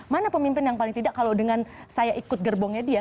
mana pemimpin yang paling tidak kalau dengan saya ikut gerbongnya dia